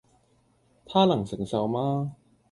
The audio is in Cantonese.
他能承受嗎？